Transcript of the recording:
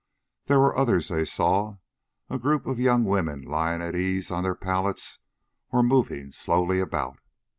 There were others, they saw; a group of young women lying at ease on their pallets, or moving slowly about.